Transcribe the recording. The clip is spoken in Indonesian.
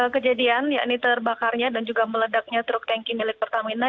kejadian yakni terbakarnya dan juga meledaknya truk tanki milik pertamina